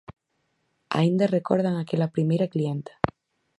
Aínda recordan aquela primeira clienta.